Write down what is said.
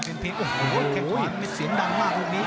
โอ้โหแค่ฟังเสียงดังมากตรงนี้